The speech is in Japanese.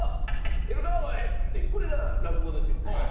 ってこれが落語ですよね。